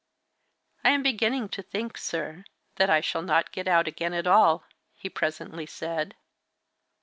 "I am beginning to think, sir, that I shall not get out again at all," he presently said.